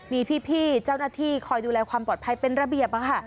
มีพี่เจ้าหน้าที่คอยดูแลความปลอดภัยเป็นระเบียบ